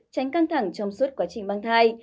tránh căng thẳng trong suốt quá trình mang thai